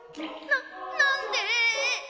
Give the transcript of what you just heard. ななんで？